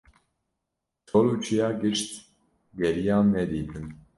Çol û çiya gişt geriyan nedîtin.